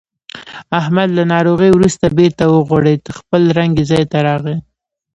احمد له ناروغۍ ورسته بېرته و غوړېدو. خپل رنګ یې ځای ته راغی.